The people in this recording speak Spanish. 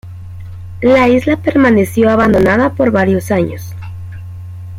La isla permaneció abandonada por varios años.